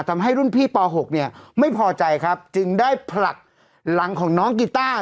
ทำให้รุ่นพี่ป๖เนี่ยไม่พอใจครับจึงได้ผลักหลังของน้องกีต้า